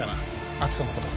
篤斗のこと。